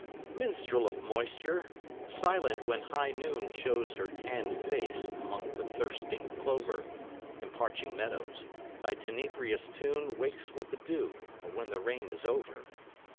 Minstrel of moisture! silent when high noon Shows her tanned face among the thirsting clover And parching meadows, thy tenebrious tune Wakes with the dew or when the rain is over.